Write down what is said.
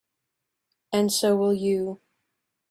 And so will you.